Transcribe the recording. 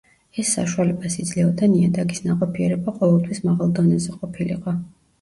ეს საშუალებას იძლეოდა, ნიადაგის ნაყოფიერება ყოველთვის მაღალ დონეზე ყოფილიყო.